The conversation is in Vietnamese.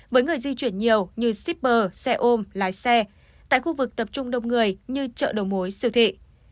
với người di chuyển nhiều như shipper xe ôm lái xe tại khu vực tập trung đông người như chợ đầu mối siêu thị